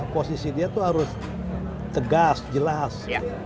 posisi dia itu harus tegas jelas